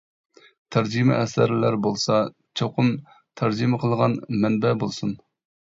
تەرجىمە ئەسەرلەر بولسا چوقۇم تەرجىمە قىلغان مەنبە بولسۇن!